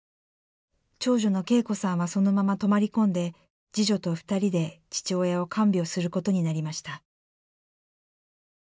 長女の景子さんはそのまま泊まり込んで次女と２人で父親を看病することになりました。